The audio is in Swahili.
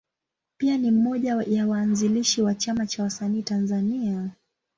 Pia ni mmoja ya waanzilishi wa Chama cha Wasanii Tanzania.